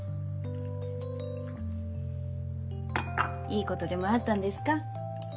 いいことでもあったんですか？